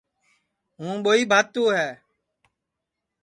ہوں ٻوہی بھاتو ہے